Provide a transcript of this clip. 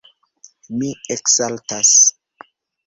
Mi eksaltas.